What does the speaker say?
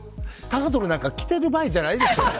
タートルなんか着てる場合じゃないですよね。